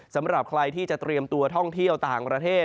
สำหรับใครที่จะเตรียมตัวท่องเที่ยวต่างประเทศ